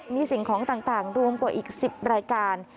มีสิ่งของต่างรวมกว่าอีก๑๐รายการ